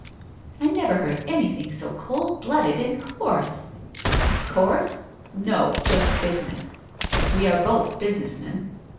' I never heard anything so cold blooded and coarse !*' Coarse ? No, just business ! We are both business men.